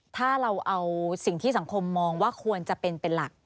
ถ้าเราเอาสิ่งที่สังคมมองว่าควรจะเป็นเป็นหลัก